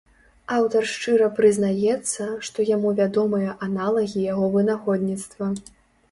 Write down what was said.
Аўтар шчыра прызнаецца, што яму вядомыя аналагі яго вынаходніцтва.